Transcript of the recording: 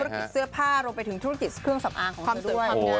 ธุรกิจเสื้อผ้ารวมไปถึงธุรกิจเครื่องสำอางของความเสนอความง่ายด้วย